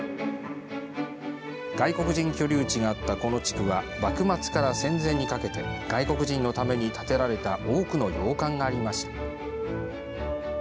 外国人居留地があったこの地区は幕末から戦前にかけて外国人のために建てられた多くの洋館がありました。